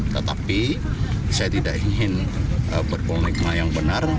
tetapi saya tidak ingin berpengikma yang benar